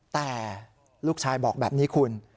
แต่ลูกชายบอกแบบนี้คุณ